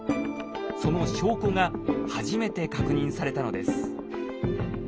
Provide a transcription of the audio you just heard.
その証拠が初めて確認されたのです。